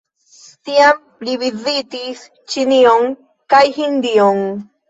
Tiam li vizitis Ĉinion kaj Hindion.